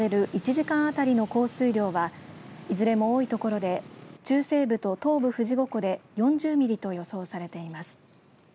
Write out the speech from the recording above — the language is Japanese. １時間当たりの降水量はいずれも多い所で中西部と東部富士五湖で４０ミリと予想されています。